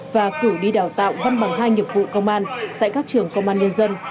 và cử đi đào tạo văn bằng hai nghiệp vụ công an tại các trường công an nhân dân